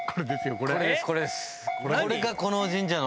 これがこの神社の。